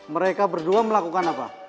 mereka berdua melakukan apa